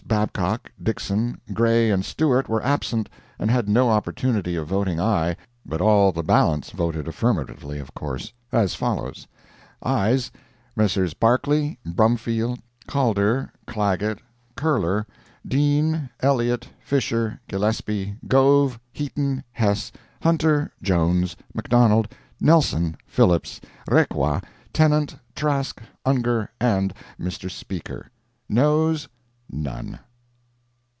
Babcock, Dixson, Gray and Stewart were absent, and had no opportunity of voting aye but all the balance voted affirmatively, of course, as follows: AYES—Messrs. Barclay, Brumfield, Calder, Clagett, Curler, Deane, Elliott, Fisher, Gillespie, Gove, Heaton, Hess, Hunter, Jones, McDonald, Nelson, Phillips, Requa, Tennant, Trask, Ungar and Mr. Speaker. NOES—None.